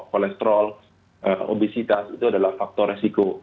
kolektrol obesitas itu adalah faktor risiko